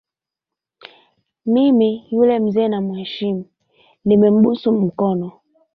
Mimi yule mzee namheshimu nimembusu mkono